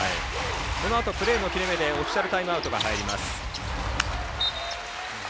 このあとプレーの切れ目でオフィシャルタイムアウトが入ります。